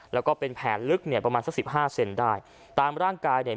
แล้วก็เป็นแผลลึกเนี่ยประมาณสักสิบห้าเซนได้ตามร่างกายเนี่ย